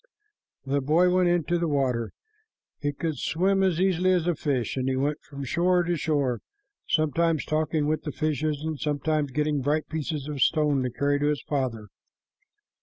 The boy went into the water. He could swim as easily as a fish, and he went from shore to shore, sometimes talking with the fishes, sometimes getting a bright piece of stone to carry to his father.